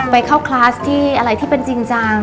ไปเข้าคลาสที่อะไรที่เป็นจริงจัง